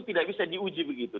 tidak bisa diuji begitu